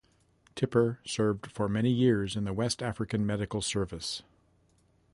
Tipper served for many years in the West African Medical Service.